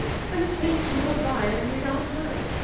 I was saying so to Lord Rye only last night.